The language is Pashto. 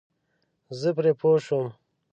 زه پرې پوه شوم.